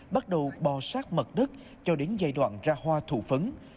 bắt đầu bò sát mặt đất cho đến giai đoạn ra hoa thủ phấn